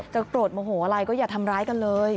โกรธโมโหอะไรก็อย่าทำร้ายกันเลย